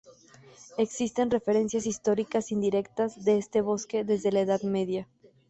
Existen referencias históricas indirectas de este bosque desde la Edad Media.